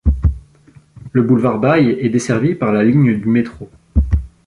Le boulevard Baille est desservi par la ligne du métro.